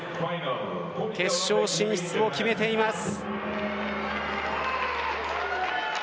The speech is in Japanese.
決勝進出を決めています。